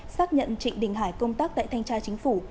xác nhận trịnh đình hải công tác tại thanh tra chính phủ